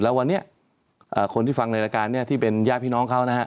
แล้ววันนี้คนที่ฟังในรายการเนี่ยที่เป็นญาติพี่น้องเขานะฮะ